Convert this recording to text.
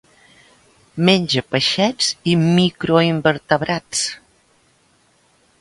Menja peixets i macroinvertebrats.